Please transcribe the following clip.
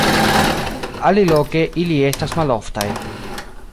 Aliloke ili estas maloftaj.